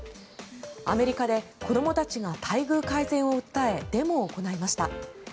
アメリカで子どもたちが待遇改善を訴えデモを行いました。